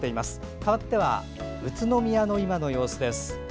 かわっては宇都宮の今の様子です。